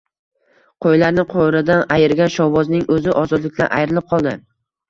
Qo‘ylarni qo‘radan "ayirgan shovvoz"ning o‘zi ozodlikdan ayrilib qoldi